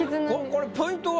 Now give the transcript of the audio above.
これポイントは？